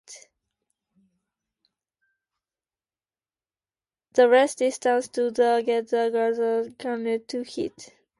The less distance to the target, the greater the chance to hit.